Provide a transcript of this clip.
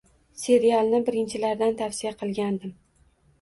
Serialni birinchilardan tavsiya qilgandim.